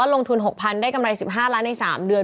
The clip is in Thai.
ลงทุน๖๐๐๐ได้กำไร๑๕ล้านใน๓เดือน